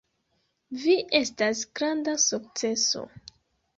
Vi estas granda sukceso.